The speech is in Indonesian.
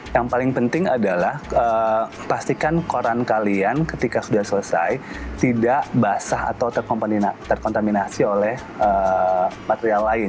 yang paling penting adalah pastikan koran kalian ketika sudah selesai tidak basah atau terkontaminasi oleh material lain